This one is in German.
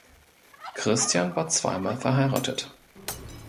Christian war zweimal verheiratet.